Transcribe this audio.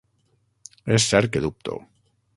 És cert que dubto.